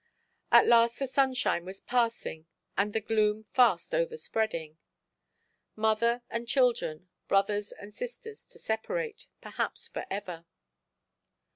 At last the sunshine was passing and the gloom fast overspreading. Mother and children, brothers and sisters to separate, perhaps forever.